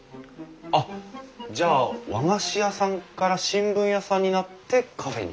あっじゃあ和菓子屋さんから新聞屋さんになってカフェに？